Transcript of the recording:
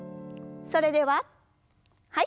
それでははい。